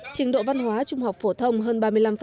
trình độ văn hóa trung học phổ thông hơn ba mươi năm